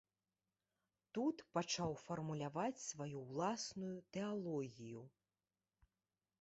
Тут пачаў фармуляваць сваю ўласную тэалогію.